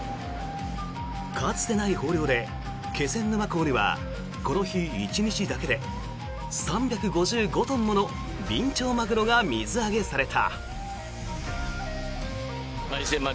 かつてない豊漁で気仙沼港にはこの日１日だけで３５５トンものビンチョウマグロが水揚げされた。